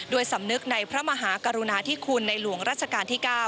สำนึกในพระมหากรุณาธิคุณในหลวงราชการที่๙